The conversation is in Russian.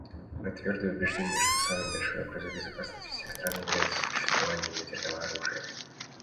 Мы твердо убеждены, что самой большой угрозой безопасности всех стран является существование ядерного оружия.